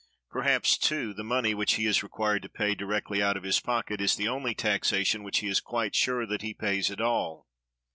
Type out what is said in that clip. Perhaps, too, the money which he is required to pay directly out of his pocket is the only taxation which he is quite sure that he pays at all.